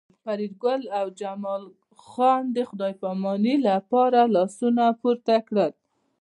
فریدګل او جمال خان د خدای پامانۍ لپاره لاسونه پورته کړل